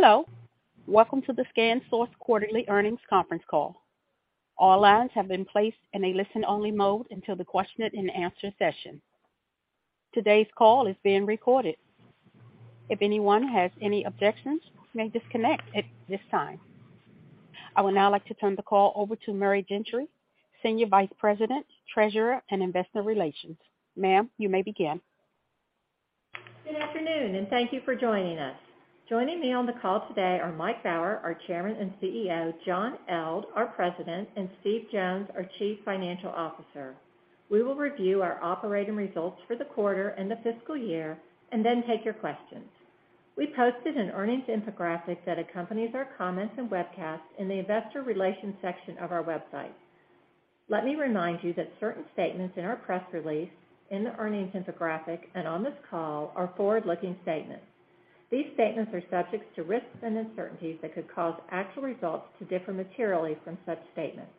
Hello, welcome to the ScanSource quarterly earnings conference call. All lines have been placed in a listen-only mode until the question and answer session. Today's call is being recorded. If anyone has any objections, you may disconnect at this time. I would now like to turn the call over to Mary Gentry, Senior Vice President, Treasurer, and Investor Relations. Ma'am, you may begin. Good afternoon, and thank you for joining us. Joining me on the call today are Mike Baur, our Chairman and CEO, John Eldh, our President, and Steve Jones, our Chief Financial Officer. We will review our operating results for the quarter and the fiscal year, and then take your questions. We posted an earnings infographic that accompanies our comments and webcast in the investor relations section of our website. Let me remind you that certain statements in our press release, in the earnings infographic, and on this call are forward-looking statements. These statements are subject to risks and uncertainties that could cause actual results to differ materially from such statements.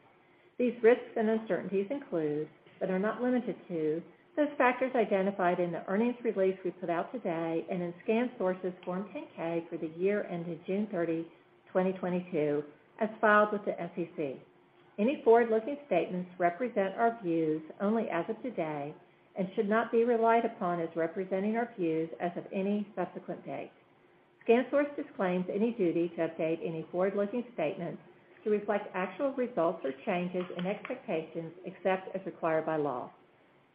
These risks and uncertainties include, but are not limited to, those factors identified in the earnings release we put out today and in ScanSource's Form 10-K for the year ended June 30, 2022, as filed with the SEC. Any forward-looking statements represent our views only as of today and should not be relied upon as representing our views as of any subsequent date. ScanSource disclaims any duty to update any forward-looking statements to reflect actual results or changes in expectations except as required by law.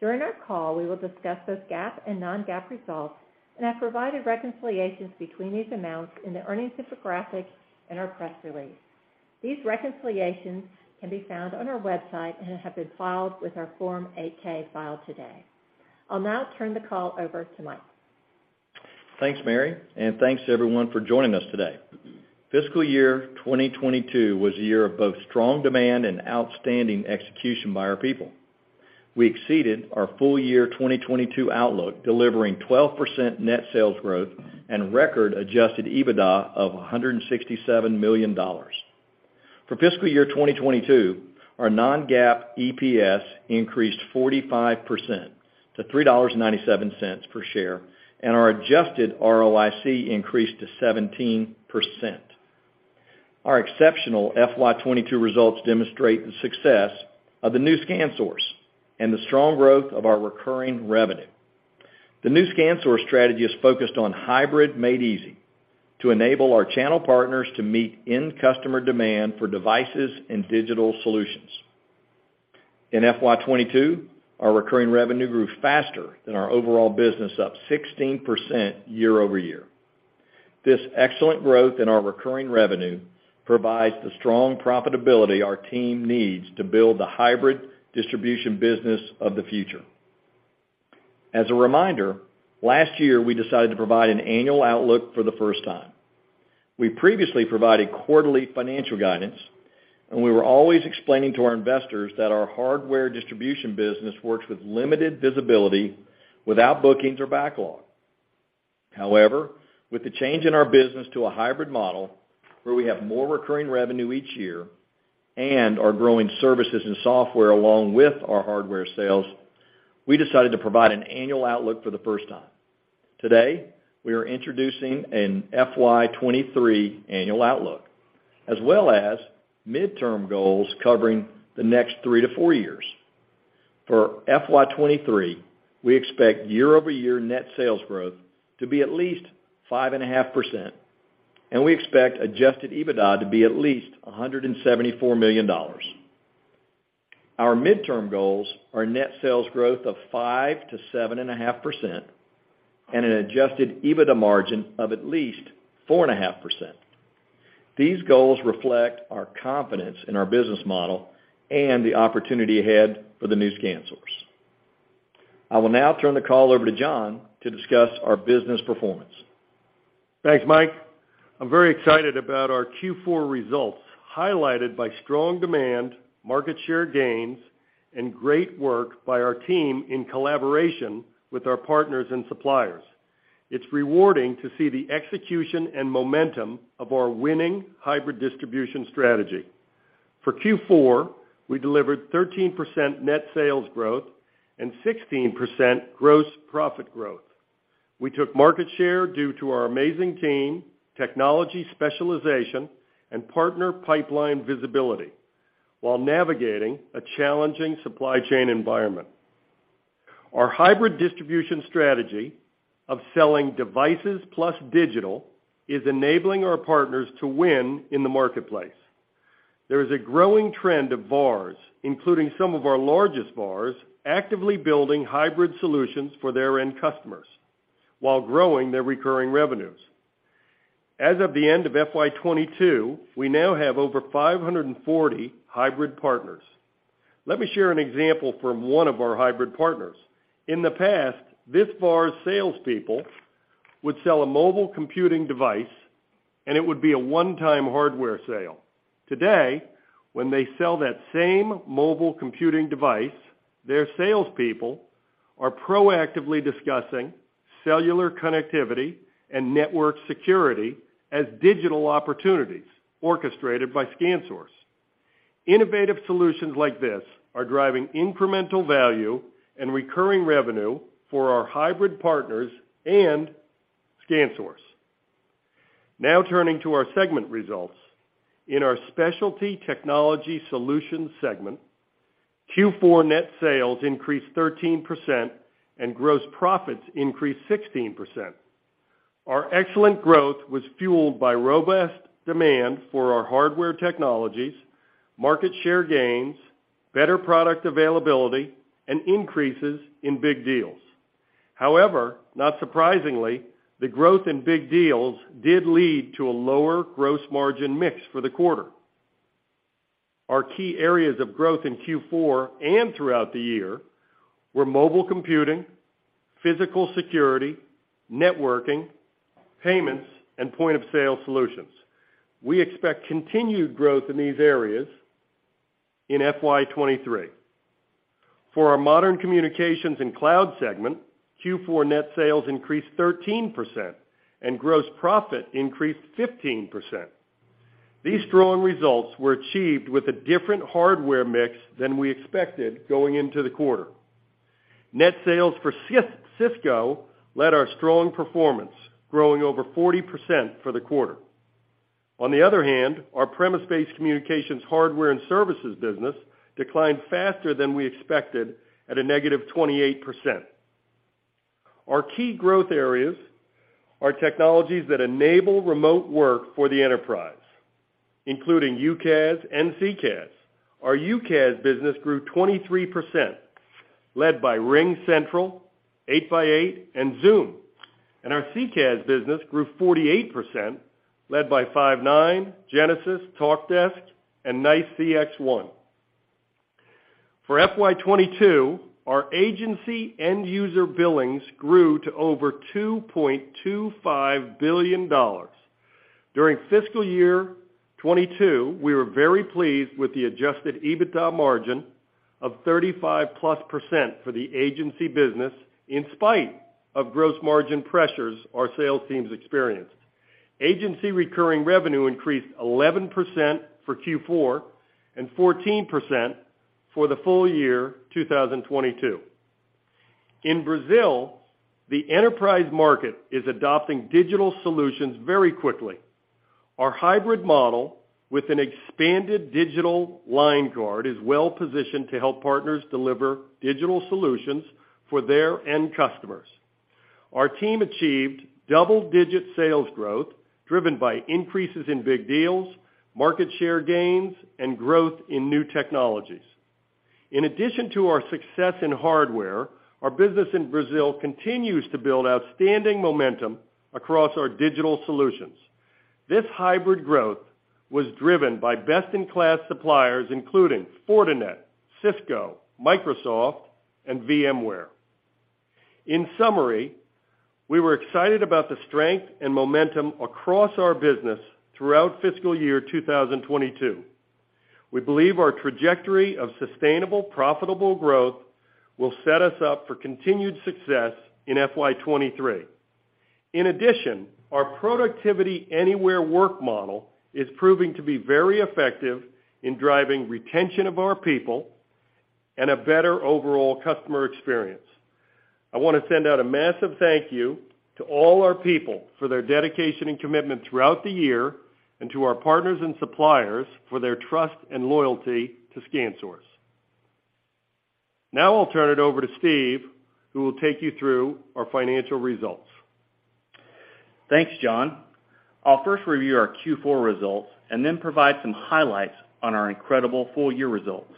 During our call, we will discuss those GAAP and non-GAAP results and have provided reconciliations between these amounts in the earnings infographic and our press release. These reconciliations can be found on our website and have been filed with our Form 8-K filed today. I'll now turn the call over to Mike. Thanks, Mary, and thanks to everyone for joining us today. Fiscal year 2022 was a year of both strong demand and outstanding execution by our people. We exceeded our full year 2022 outlook, delivering 12% net sales growth and record adjusted EBITDA of $167 million. For fiscal year 2022, our non-GAAP EPS increased 45% to $3.97 per share, and our adjusted ROIC increased to 17%. Our exceptional FY 2022 results demonstrate the success of the new ScanSource and the strong growth of our recurring revenue. The new ScanSource strategy is focused on hybrid made easy to enable our channel partners to meet end customer demand for devices and digital solutions. In FY 2022, our recurring revenue grew faster than our overall business, up 16% year over year. This excellent growth in our recurring revenue provides the strong profitability our team needs to build the hybrid distribution business of the future. As a reminder, last year, we decided to provide an annual outlook for the first time. We previously provided quarterly financial guidance, and we were always explaining to our investors that our hardware distribution business works with limited visibility without bookings or backlog. However, with the change in our business to a hybrid model, where we have more recurring revenue each year and our growing services and software along with our hardware sales, we decided to provide an annual outlook for the first time. Today, we are introducing an FY 2023 annual outlook as well as midterm goals covering the next three to four years. For FY 2023, we expect year-over-year net sales growth to be at least 5.5%, and we expect adjusted EBITDA to be at least $174 million. Our midterm goals are net sales growth of 5%-7.5% and an adjusted EBITDA margin of at least 4.5%. These goals reflect our confidence in our business model and the opportunity ahead for the new ScanSource. I will now turn the call over to John to discuss our business performance. Thanks, Mike. I'm very excited about our Q4 results, highlighted by strong demand, market share gains, and great work by our team in collaboration with our partners and suppliers. It's rewarding to see the execution and momentum of our winning hybrid distribution strategy. For Q4, we delivered 13% net sales growth and 16% gross profit growth. We took market share due to our amazing team, technology specialization, and partner pipeline visibility while navigating a challenging supply chain environment. Our hybrid distribution strategy of selling devices plus digital is enabling our partners to win in the marketplace. There is a growing trend of VARs, including some of our largest VARs, actively building hybrid solutions for their end customers while growing their recurring revenues. As of the end of FY 2022, we now have over 540 hybrid partners. Let me share an example from one of our hybrid partners. In the past, this VAR's salespeople would sell a mobile computing device, and it would be a one-time hardware sale. Today, when they sell that same mobile computing device, their salespeople are proactively discussing cellular connectivity and network security as digital opportunities orchestrated by ScanSource. Innovative solutions like this are driving incremental value and recurring revenue for our hybrid partners and ScanSource. Now turning to our segment results. In our Specialty Technology Solutions segment, Q4 net sales increased 13% and gross profits increased 16%. Our excellent growth was fueled by robust demand for our hardware technologies, market share gains, better product availability, and increases in big deals. However, not surprisingly, the growth in big deals did lead to a lower gross margin mix for the quarter. Our key areas of growth in Q4 and throughout the year were mobile computing, physical security, networking, payments, and point-of-sale solutions. We expect continued growth in these areas in FY 2023. For our Modern Communications and Cloud segment, Q4 net sales increased 13% and gross profit increased 15%. These strong results were achieved with a different hardware mix than we expected going into the quarter. Net sales for Cisco led our strong performance, growing over 40% for the quarter. On the other hand, our premise-based communications hardware and services business declined faster than we expected, at a negative 28%. Our key growth areas are technologies that enable remote work for the enterprise, including UCaaS and CCaaS. Our UCaaS business grew 23%, led by RingCentral, 8x8 and Zoom. Our CCaaS business grew 48%, led by Five9, Genesys, Talkdesk, and NICE CXone. For FY 2022, our agency end user billings grew to over $2.25 billion. During fiscal year 2022, we were very pleased with the adjusted EBITDA margin of 35%+ for the agency business, in spite of gross margin pressures our sales teams experienced. Agency recurring revenue increased 11% for Q4, and 14% for the full year 2022. In Brazil, the enterprise market is adopting digital solutions very quickly. Our hybrid model with an expanded digital line card is well positioned to help partners deliver digital solutions for their end customers. Our team achieved double-digit sales growth driven by increases in big deals, market share gains, and growth in new technologies. In addition to our success in hardware, our business in Brazil continues to build outstanding momentum across our digital solutions. This hybrid growth was driven by best-in-class suppliers including Fortinet, Cisco, Microsoft, and VMware. In summary, we were excited about the strength and momentum across our business throughout fiscal year 2022. We believe our trajectory of sustainable profitable growth will set us up for continued success in FY 2023. In addition, our productivity anywhere work model is proving to be very effective in driving retention of our people and a better overall customer experience. I wanna send out a massive thank you to all our people for their dedication and commitment throughout the year, and to our partners and suppliers for their trust and loyalty to ScanSource. Now I'll turn it over to Steve, who will take you through our financial results. Thanks, John. I'll first review our Q4 results and then provide some highlights on our incredible full year results.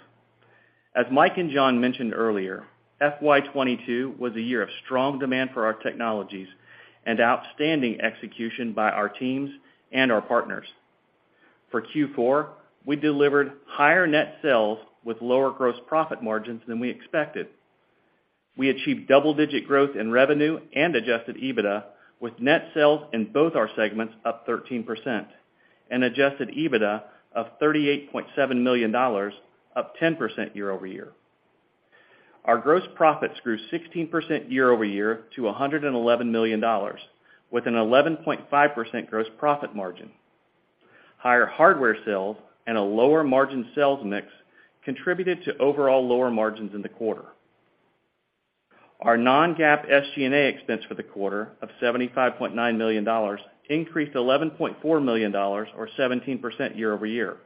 As Mike and John mentioned earlier, FY 2022 was a year of strong demand for our technologies and outstanding execution by our teams and our partners. For Q4, we delivered higher net sales with lower gross profit margins than we expected. We achieved double-digit growth in revenue and adjusted EBITDA, with net sales in both our segments up 13%, and adjusted EBITDA of $38.7 million, up 10% year-over-year. Our gross profits grew 16% year-over-year to $111 million, with an 11.5% gross profit margin. Higher hardware sales and a lower margin sales mix contributed to overall lower margins in the quarter. Our non-GAAP SG&A expense for the quarter of $75.9 million increased $11.4 million or 17% year-over-year.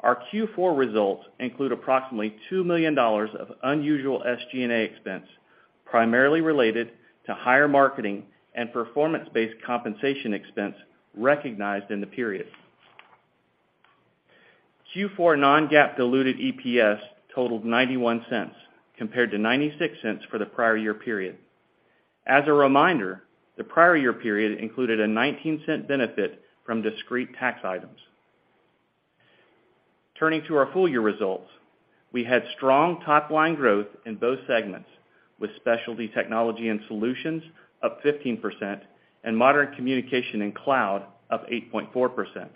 Our Q4 results include approximately $2 million of unusual SG&A expense, primarily related to higher marketing and performance-based compensation expense recognized in the period. Q4 non-GAAP diluted EPS totaled $0.91 compared to $0.96 for the prior year period. As a reminder, the prior year period included a $0.19 benefit from discrete tax items. Turning to our full year results. We had strong top-line growth in both segments, with Specialty Technology Solutions up 15% and Modern Communications & Cloud up 8.4%.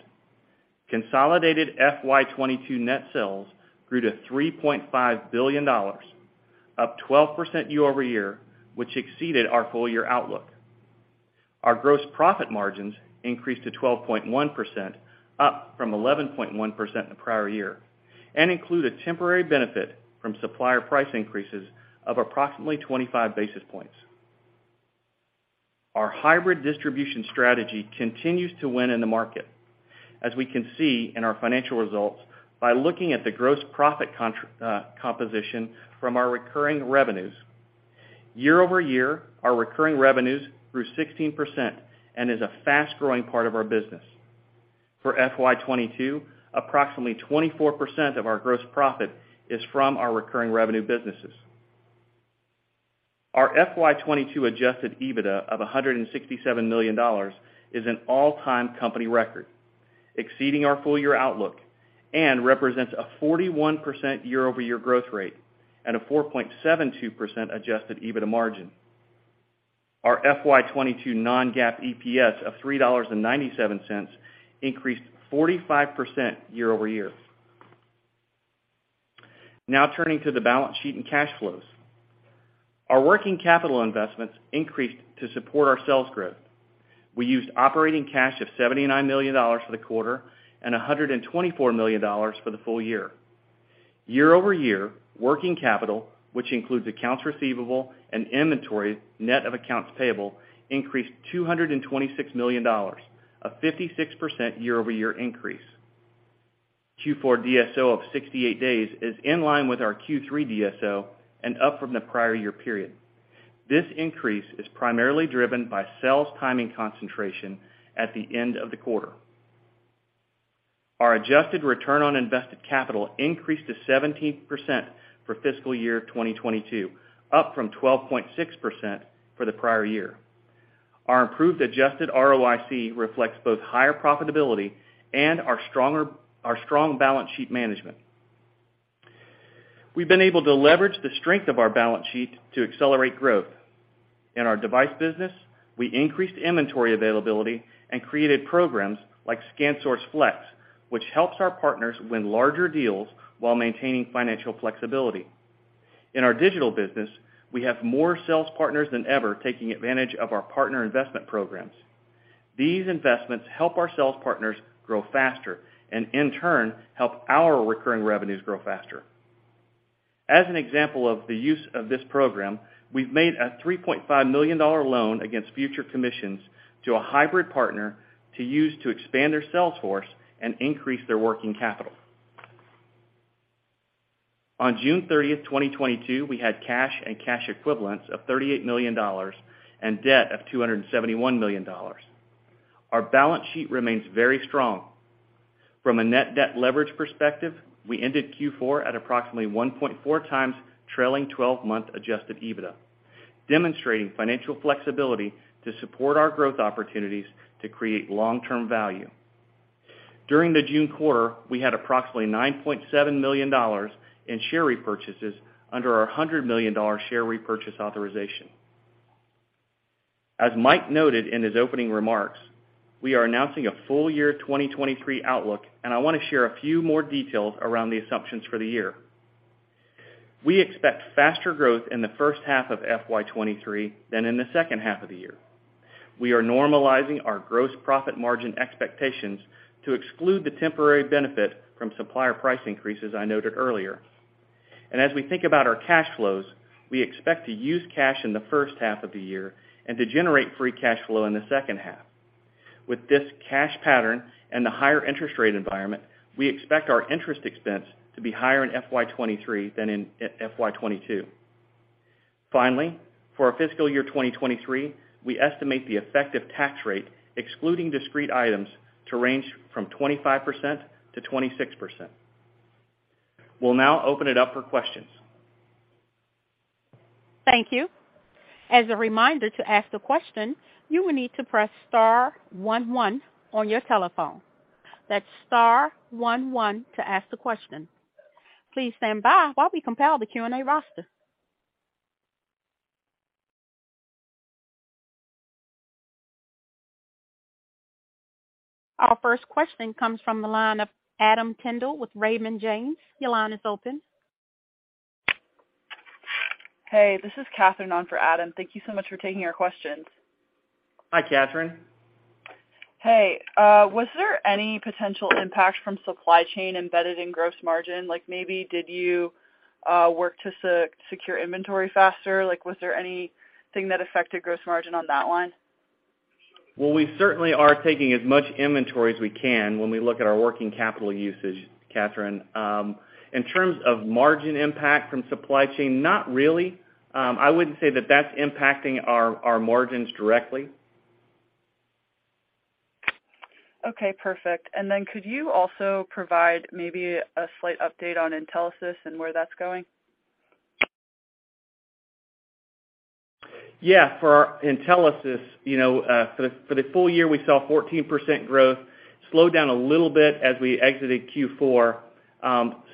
Consolidated FY 2022 net sales grew to $3.5 billion, up 12% year-over-year, which exceeded our full year outlook. Our gross profit margins increased to 12.1%, up from 11.1% in the prior year, and include a temporary benefit from supplier price increases of approximately 25 basis points. Our hybrid distribution strategy continues to win in the market, as we can see in our financial results by looking at the gross profit composition from our recurring revenues. Year-over-year, our recurring revenues grew 16% and is a fast-growing part of our business. For FY 2022, approximately 24% of our gross profit is from our recurring revenue businesses. Our FY 2022 adjusted EBITDA of $167 million is an all-time company record, exceeding our full year outlook and represents a 41% year-over-year growth rate and a 4.72% adjusted EBITDA margin. Our FY 2022 non-GAAP EPS of $3.97 increased 45% year over year. Now, turning to the balance sheet and cash flows. Our working capital investments increased to support our sales growth. We used operating cash of $79 million for the quarter and $124 million for the full year. Year over year, working capital, which includes accounts receivable and inventory, net of accounts payable, increased $226 million, a 56% year-over-year increase. Q4 DSO of 68 days is in line with our Q3 DSO and up from the prior year period. This increase is primarily driven by sales timing concentration at the end of the quarter. Our adjusted return on invested capital increased to 17% for fiscal year 2022, up from 12.6% for the prior year. Our improved adjusted ROIC reflects both higher profitability and our strong balance sheet management. We've been able to leverage the strength of our balance sheet to accelerate growth. In our device business, we increased inventory availability and created programs like ScanSource Flex, which helps our partners win larger deals while maintaining financial flexibility. In our digital business, we have more sales partners than ever taking advantage of our partner investment programs. These investments help our sales partners grow faster and, in turn, help our recurring revenues grow faster. As an example of the use of this program, we've made a $3.5 million loan against future commissions to a hybrid partner to use to expand their sales force and increase their working capital. On June 30, 2022, we had cash and cash equivalents of $38 million and debt of $271 million. Our balance sheet remains very strong. From a net debt leverage perspective, we ended Q4 at approximately 1.4 times trailing twelve-month adjusted EBITDA, demonstrating financial flexibility to support our growth opportunities to create long-term value. During the June quarter, we had approximately $9.7 million in share repurchases under our $100 million share repurchase authorization. As Mike noted in his opening remarks, we are announcing a full year 2023 outlook, and I wanna share a few more details around the assumptions for the year. We expect faster growth in the first half of FY 2023 than in the second half of the year. We are normalizing our gross profit margin expectations to exclude the temporary benefit from supplier price increases I noted earlier. As we think about our cash flows, we expect to use cash in the first half of the year and to generate free cash flow in the second half. With this cash pattern and the higher interest rate environment, we expect our interest expense to be higher in FY 2023 than in FY 2022. Finally, for our fiscal year 2023, we estimate the effective tax rate, excluding discrete items, to range from 25% to 26%. We'll now open it up for questions. Thank you. As a reminder, to ask a question, you will need to press star one one on your telephone. That's star one one to ask a question. Please stand by while we compile the Q&A roster. Our first question comes from the line of Adam Tindle with Raymond James. Your line is open. Hey, this is Catherine on for Adam. Thank you so much for taking our questions. Hi, Catherine. Hey. Was there any potential impact from supply chain embedded in gross margin? Like, maybe did you work to secure inventory faster? Like, was there anything that affected gross margin on that line? Well, we certainly are taking as much inventory as we can when we look at our working capital usage, Catherine. In terms of margin impact from supply chain, not really. I wouldn't say that that's impacting our margins directly. Okay, perfect. Could you also provide maybe a slight update on Intelisys and where that's going? Yeah. For our Intelisys, you know, for the full year, we saw 14% growth. Slowed down a little bit as we exited Q4.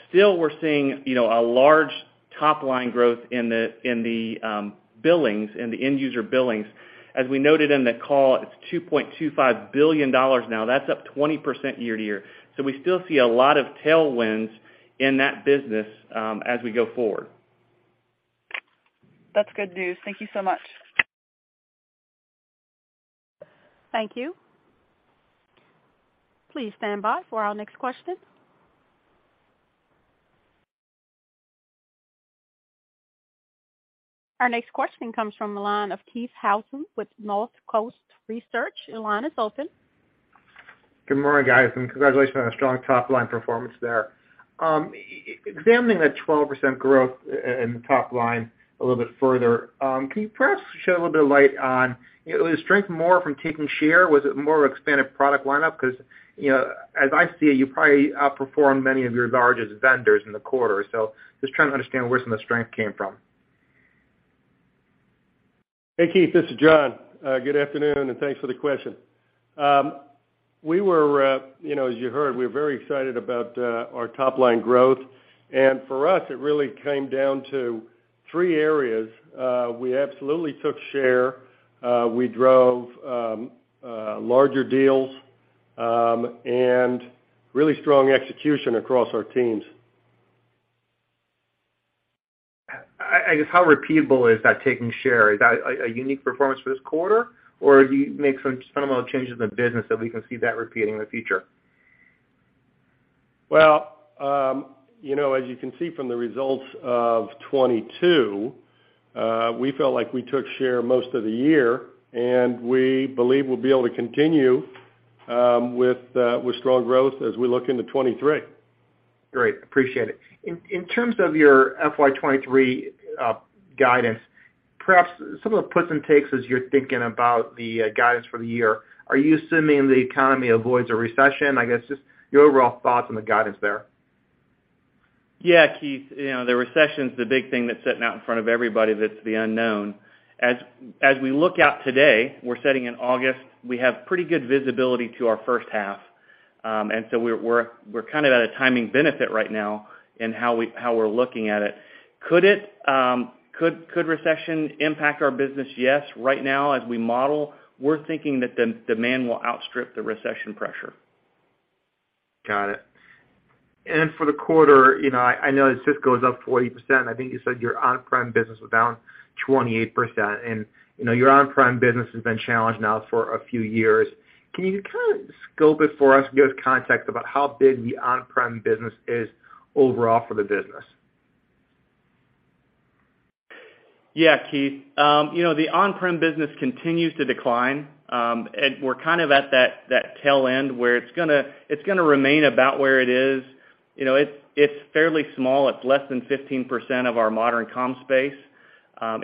Still, we're seeing, you know, a large top line growth in the billings, in the end user billings. As we noted in the call, it's $2.25 billion now. That's up 20% year-over-year. We still see a lot of tailwinds in that business, as we go forward. That's good news. Thank you so much. Thank you. Please stand by for our next question. Our next question comes from the line of Keith Housum with Northcoast Research. Your line is open. Good morning, guys, and congratulations on a strong top line performance there. Examining that 12% growth in the top line a little bit further, can you perhaps shed a little bit of light on, you know, was the strength more from taking share? Was it more expanded product lineup? Because, you know, as I see it, you probably outperformed many of your largest vendors in the quarter. Just trying to understand where some of the strength came from. Hey, Keith, this is John. Good afternoon, and thanks for the question. You know, as you heard, we're very excited about our top line growth. For us, it really came down to three areas. We absolutely took share. We drove larger deals and really strong execution across our teams. I guess how repeatable is that taking share? Is that a unique performance for this quarter, or do you make some fundamental changes in the business so we can see that repeating in the future? Well, you know, as you can see from the results of 2022, we felt like we took share most of the year, and we believe we'll be able to continue with strong growth as we look into 2023. Great. Appreciate it. In terms of your FY 2023 guidance, perhaps some of the puts and takes as you're thinking about the guidance for the year. Are you assuming the economy avoids a recession? I guess just your overall thoughts on the guidance there. Yeah, Keith. You know, the recession's the big thing that's sitting out in front of everybody that's the unknown. As we look out today, we're sitting in August, we have pretty good visibility to our first half. We're kind of at a timing benefit right now in how we're looking at it. Could recession impact our business? Yes. Right now, as we model, we're thinking that the demand will outstrip the recession pressure. Got it. For the quarter, you know, I know Cisco's up 40%. I think you said your on-prem business was down 28%. You know, your on-prem business has been challenged now for a few years. Can you kind of scope it for us and give us context about how big the on-prem business is overall for the business? Yeah, Keith. You know, the on-prem business continues to decline. We're kind of at that tail end, where it's gonna remain about where it is. You know, it's fairly small. It's less than 15% of our modern comm space,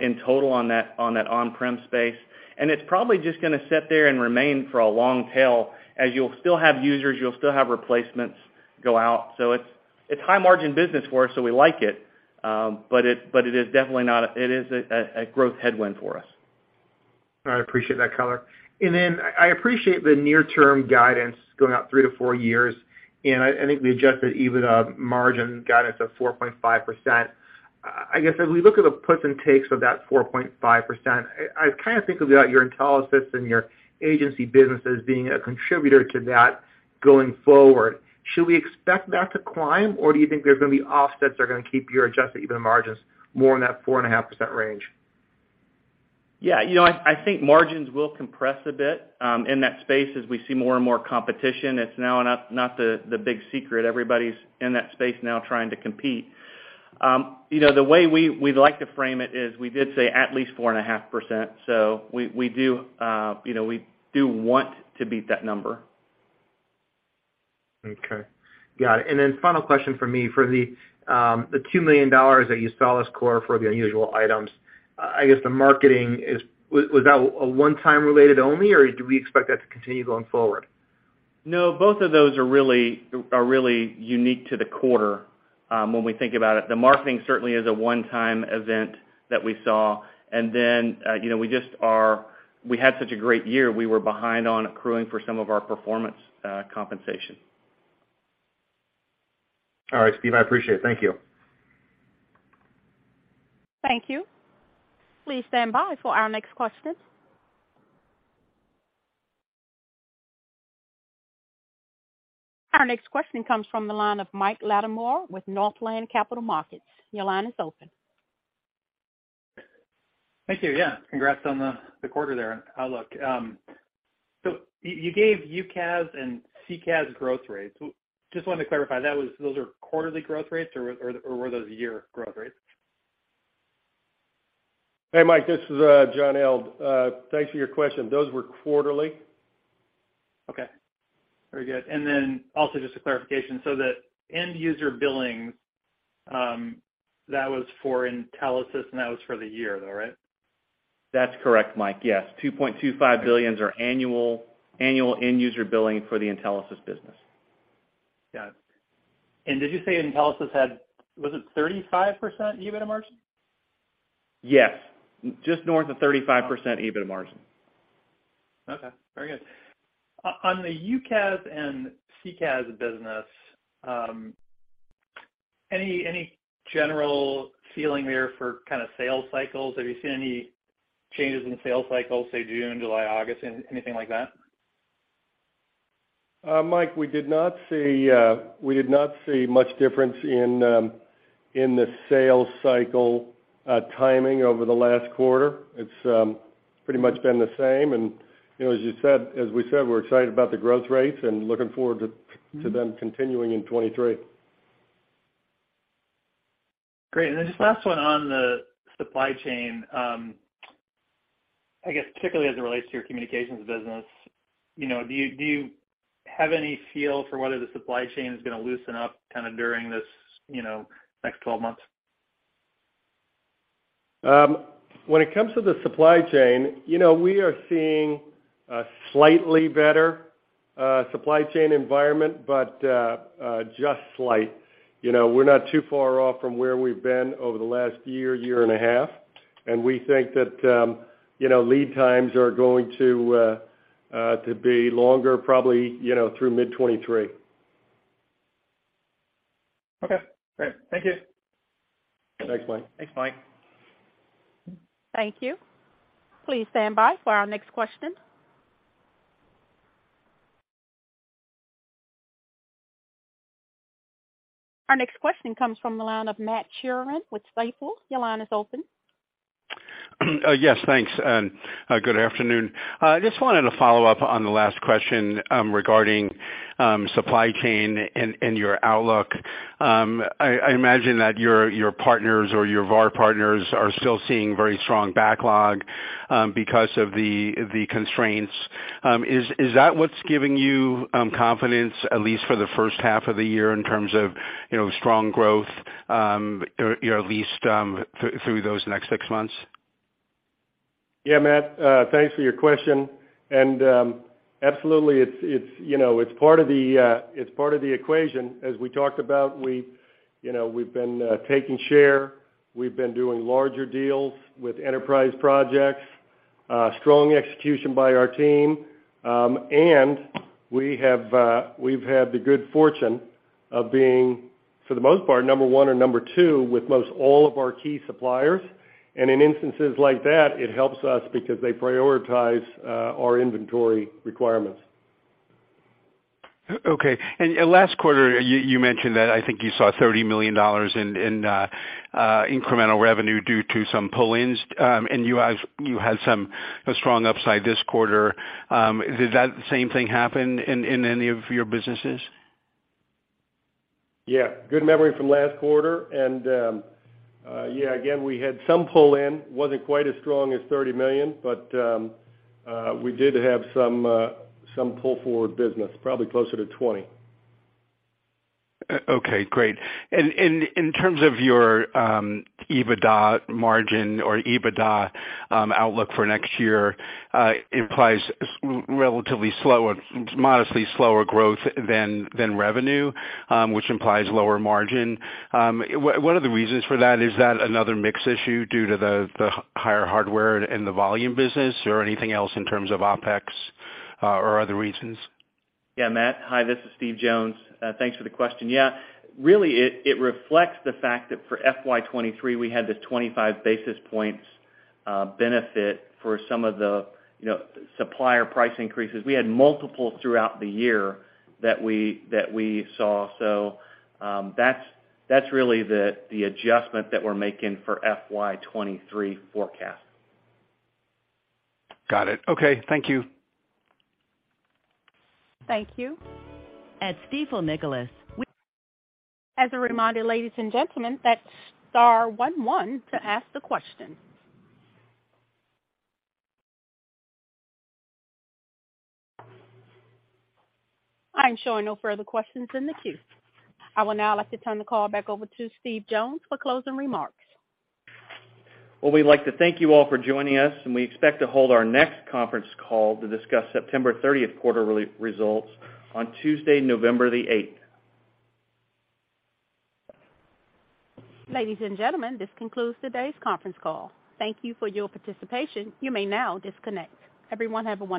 in total on that on-prem space. It's probably just gonna sit there and remain for a long tail, as you'll still have users, you'll still have replacements go out. It's high margin business for us, so we like it. It is definitely a growth headwind for us. All right. Appreciate that color. Then I appreciate the near-term guidance going out three to four years. I think the adjusted EBITDA margin guidance of 4.5%. I guess as we look at the puts and takes of that 4.5%, I kind of think about your Intelisys and your agency businesses being a contributor to that going forward. Should we expect that to climb, or do you think there's gonna be offsets that are gonna keep your adjusted EBITDA margins more in that 4.5% range? Yeah. You know, I think margins will compress a bit in that space as we see more and more competition. It's now not the big secret. Everybody's in that space now trying to compete. You know, the way we like to frame it is we did say at least 4.5%, so we do want to beat that number. Okay. Got it. Final question from me. For the $2 million that you saw this quarter for the unusual items, I guess the marketing was that a one-time related only, or do we expect that to continue going forward? No, both of those are really unique to the quarter, when we think about it. The marketing certainly is a one-time event that we saw. Then, you know, we had such a great year, we were behind on accruing for some of our performance compensation. All right, Steve, I appreciate it. Thank you. Thank you. Please stand by for our next question. Our next question comes from the line of Mike Latimore with Northland Capital Markets. Your line is open. Thank you. Yeah. Congrats on the quarter, the outlook. So you gave UCaaS and CCaaS growth rates. We just wanted to clarify, those are quarterly growth rates or were those year growth rates? Hey, Mike, this is John Eldh. Thanks for your question. Those were quarterly. Okay. Very good. Also just a clarification. The end user billing, that was for Intelisys, and that was for the year, though, right? That's correct, Mike, yes. $2.25 billion is annual end user billing for the Intelisys business. Got it. Did you say Intelisys had, was it 35% EBITDA margin? Yes. Just north of 35% EBITDA margin. On the UCaaS and CCaaS business, any general feeling there for kind of sales cycles? Have you seen any changes in sales cycles, say, June, July, August, anything like that? Mike, we did not see much difference in the sales cycle timing over the last quarter. It's pretty much been the same. You know, as you said, as we said, we're excited about the growth rates and looking forward to them continuing in 2023. Great. Just last one on the supply chain, I guess particularly as it relates to your communications business, you know, do you have any feel for whether the supply chain is gonna loosen up kinda during this, you know, next 12 months? When it comes to the supply chain, you know, we are seeing a slightly better supply chain environment, but just slight. You know, we're not too far off from where we've been over the last year and a half, and we think that, you know, lead times are going to be longer, probably, you know, through mid-2023. Okay, great. Thank you. Thanks, Mike. Thanks, Mike. Thank you. Please stand by for our next question. Our next question comes from the line of Matt Sheerin with Stifel. Your line is open. Yes, thanks. Good afternoon. I just wanted to follow up on the last question, regarding supply chain and your outlook. I imagine that your partners or your VAR partners are still seeing very strong backlog, because of the constraints. Is that what's giving you confidence at least for the first half of the year in terms of, you know, strong growth, or at least through those next six months? Yeah, Matt, thanks for your question. Absolutely, it's, you know, part of the equation. As we talked about, you know, we've been taking share, we've been doing larger deals with enterprise projects, strong execution by our team. We've had the good fortune of being, for the most part, number one or number two with most all of our key suppliers. In instances like that, it helps us because they prioritize our inventory requirements. Okay. Last quarter, you mentioned that I think you saw $30 million in incremental revenue due to some pull-ins. You had some strong upside this quarter. Did that same thing happen in any of your businesses? Yeah. Good memory from last quarter. Again, we had some pull-in, wasn't quite as strong as $30 million, but we did have some pull forward business, probably closer to $20 million. Okay, great. In terms of your EBITDA margin or EBITDA outlook for next year, implies relatively slower, modestly slower growth than revenue, which implies lower margin. What are the reasons for that? Is that another mix issue due to the higher hardware and the volume business, or anything else in terms of OpEx, or other reasons? Yeah, Matt. Hi, this is Steve Jones. Thanks for the question. Yeah, really it reflects the fact that for FY 2023, we had this 25 basis points benefit for some of the, you know, supplier price increases. We had multiple throughout the year that we saw. That's really the adjustment that we're making for FY 2023 forecast. Got it. Okay. Thank you. Thank you. At Stifel Nicolaus. As a reminder, ladies and gentlemen, that's star one one to ask the question. I'm showing no further questions in the queue. I would now like to turn the call back over to Steve Jones for closing remarks. Well, we'd like to thank you all for joining us, and we expect to hold our next conference call to discuss September 30th quarter results on Tuesday, November the eighth. Ladies and gentlemen, this concludes today's conference call. Thank you for your participation. You may now disconnect. Everyone, have a wonderful day.